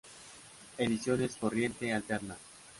Ediciones Corriente Alterna.